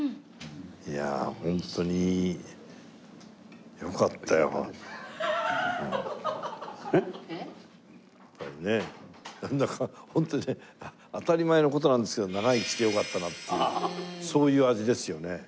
いやホントにやっぱりねなんだかホントに当たり前の事なんですけど長生きしてよかったなっていうそういう味ですよね。